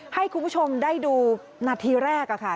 ให้คุณผู้ชมได้ดูนาทีแรกค่ะ